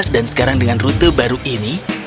dan sekarang dengan rute baru ini